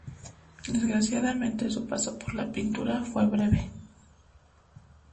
Desgraciadamente, su paso por la pintura fue breve.